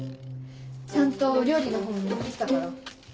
ちゃんと料理の本も持ってきたから。